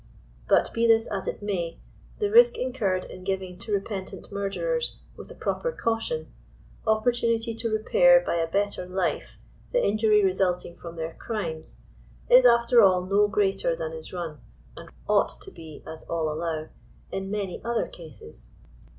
But be this as it may, the risk incurred in giving to repentant murderers, with a proper caution, opportunity to repair by a better life the injury resulting from their crimes, is after all no greater than is run — and ought to be as all allow— in many other cases.